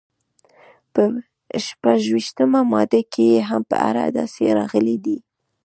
په شپږویشتمه ماده کې یې په اړه داسې راغلي دي.